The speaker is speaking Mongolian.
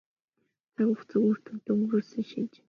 Цаг хугацааг үр дүнтэй өнгөрөөсний шинж.